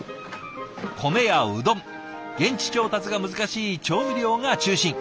米やうどん現地調達が難しい調味料が中心。